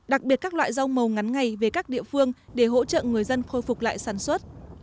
đặc biệt các loại rau màu ngắn ngày về các địa phương để hỗ trợ người dân khôi phục lại sản xuất